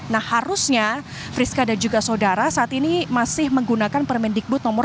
nah harusnya priska dan juga saudara saat ini masih menggunakan permendikbud nomor